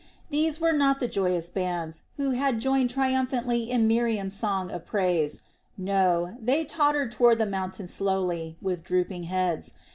These were not the joyous bands, who had joined triumphantly in Miriam's song of praise, no, they tottered toward the mountain slowly, with drooping heads.